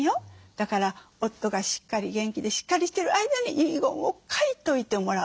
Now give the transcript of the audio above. だから夫が元気でしっかりしてる間に遺言を書いといてもらう。